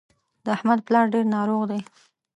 د احمد پلار ډېر ناروغ دی